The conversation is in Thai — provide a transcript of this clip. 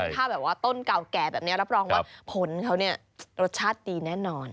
ถ้าแบบว่าต้นเก่าแก่แบบนี้รับรองว่าผลเขาเนี่ยรสชาติดีแน่นอน